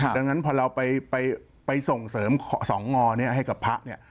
ดังนั้นพอเราไปส่งเสริมสองงอนี้ให้กับพระเนี่ย